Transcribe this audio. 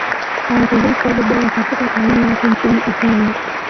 Alichezea klabu bora katika taaluma yake nchini Italia